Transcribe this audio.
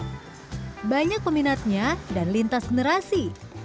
kalo kita lihat di dalam kaldu kita bisa lihat bahwa ada banyak peminatnya dan lintas generasi